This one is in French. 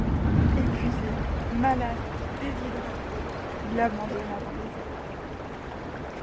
Epuisé, malade, déshydraté, il abandonne avant les Alpes.